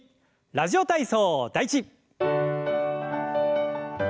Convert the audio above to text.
「ラジオ体操第１」。